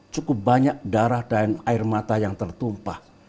cukup banyak darah dan air mata yang tertumpah